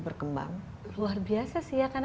berkembang luar biasa sih ya karena